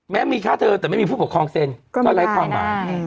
แม้มีค่าเธอแต่ไม่มีผู้ปกครองเซ็นก็ไร้ความหมาย